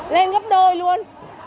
lên gấp đôi luôn